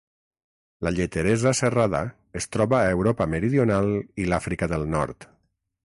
La lleteresa serrada es troba a Europa meridional i l'Àfrica del nord.